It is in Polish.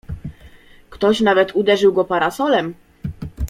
"Ktoś nawet uderzył go parasolem."